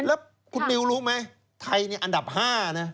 แล้วคุณมิวรู้ไหมไทยนี่อันดับ๕นะ